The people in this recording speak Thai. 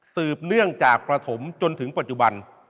สืบเนื่องจากประถมจนถึงปัจจุบัน